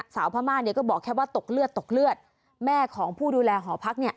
พม่าเนี่ยก็บอกแค่ว่าตกเลือดตกเลือดแม่ของผู้ดูแลหอพักเนี่ย